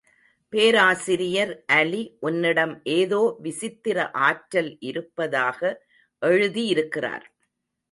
பேராசிரியர் அலி, உன்னிடம் ஏதோ விசித்திர ஆற்றல் இருப்பதாக எழுதியிருக்கிறார்.